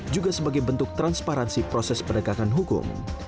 juga sebagai bentuk transparansi proses penegakan hukum